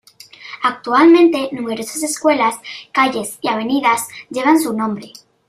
Actualmente numerosas escuelas, calles y avenidas llevan su nombre.